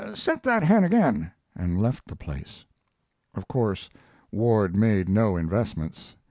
Set that hen again," and left the place. Of course Ward made no investments.